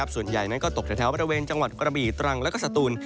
ส่วนใหญ่นั้นก็ตกแถวบริเวณจังหวัดกระบี่ตรังแล้วก็สตูน